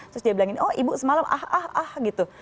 terus dia bilang ibu semalam ah ah ah gitu